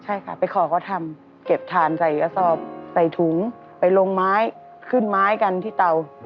ใช่ค่ะไปขอเขาทำเก็บถ่านใส่กระสอบใส่ถุงไปลงไม้ขึ้นไม้กันที่เตา